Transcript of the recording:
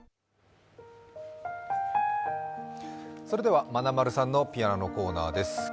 それではまなまるさんのピアノのコーナーです。